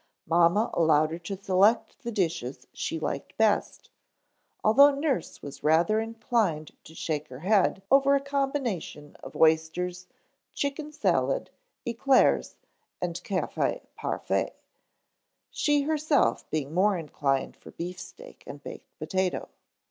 Mamma allowed her to select the dishes she liked best, although nurse was rather inclined to shake her head over a combination of oysters, chicken salad, eclairs and café parfait, she herself being more inclined for beefsteak and baked potato.